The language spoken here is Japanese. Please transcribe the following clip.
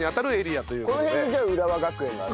この辺がじゃあ浦和学院がある？